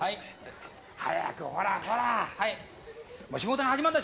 早くほらほらっ。